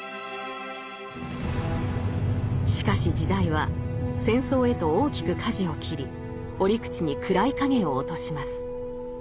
しかし時代は戦争へと大きくかじを切り折口に暗い影を落とします。